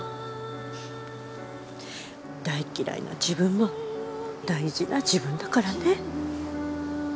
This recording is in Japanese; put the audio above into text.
大嫌いな自分も大事な自分だからね。